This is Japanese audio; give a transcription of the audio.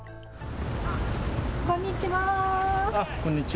こんにちは。